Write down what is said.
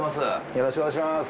よろしくお願いします。